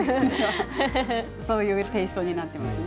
そういうテーストになってますね。